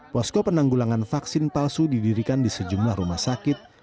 posco penunggulangan vaksin palsu didirikan di sejumlah rumah sakit